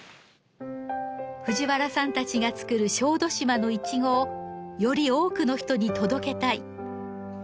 藤原さんたちが作る小豆島のイチゴをより多くの人に届けたい。